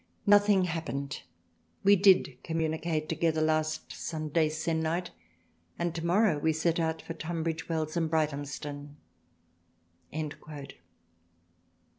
Nothing happened, we did communicate together last Sunday se'nnight and tomorrow 26 THRALIANA we set out for Tunbridge Wells and Brighthelm stone."